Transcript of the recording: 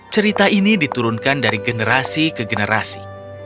cerita ini diturunkan dari generasi ke generasi